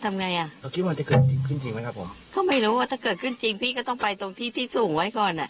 ทำไงอ่ะเราคิดว่าจะเกิดขึ้นจริงไหมครับผมก็ไม่รู้ว่าถ้าเกิดขึ้นจริงพี่ก็ต้องไปตรงที่ที่สูงไว้ก่อนอ่ะ